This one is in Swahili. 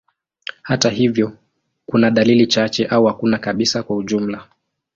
Hata hivyo, kuna dalili chache au hakuna kabisa kwa ujumla.